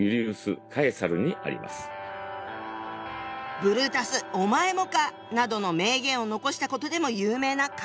「ブルータスお前もか」などの名言を残したことでも有名な彼。